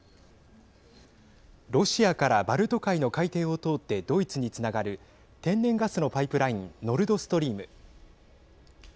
ロシアからバルト海の海底を通ってドイツにつながる天然ガスのパイプラインノルドストリーム。